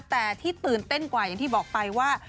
แต่ที่ตื่นเต้นกว่าอย่างที่บอกไปว่า